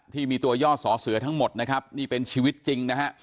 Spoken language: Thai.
ที่มีตัวย่อสอเสือทั้งหมดนะครับนี่เป็นชีวิตจริงนะฮะ